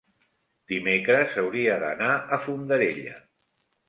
dimecres hauria d'anar a Fondarella.